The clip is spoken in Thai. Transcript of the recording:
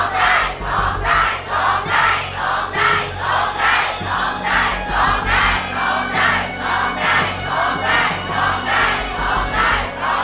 โทษให้โทษให้โทษให้โทษให้